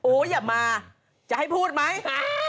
อย่ามาจะให้พูดไหม